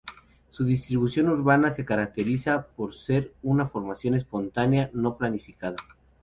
Su distribución urbana se caracteriza por ser una formación espontánea, no planificada.